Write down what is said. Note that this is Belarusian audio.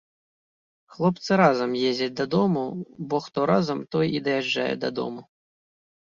Хлопцы разам ездзяць дадому, бо хто разам, той і даязджае да дому.